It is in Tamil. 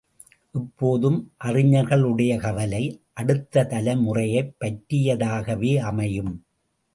எப்போதும் அறிஞர்களுடைய கவலை அடுத்த தலைமுறையைப் பற்றியதாகவே அமையும்.